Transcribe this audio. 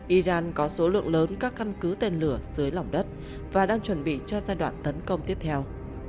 iran có số lượng lớn các căn cứ tên lửa dưới lòng đất và đang chuẩn bị cho giai đoạn tấn công tiếp theo